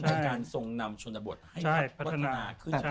และการทรงนำชนบทให้ครับพัฒนาขึ้น